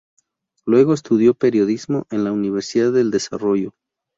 Luego estudió periodismo en la Universidad del Desarrollo.